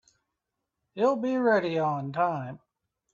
He'll be ready on time.